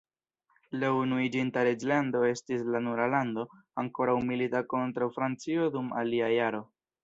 La Unuiĝinta Reĝlando estis la nura lando ankoraŭ milita kontraŭ Francio dum alia jaro.